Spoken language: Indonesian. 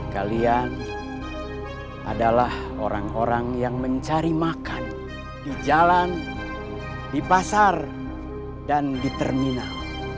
kalian adalah orang orang yang mencari makan di jalan di pasar dan di terminal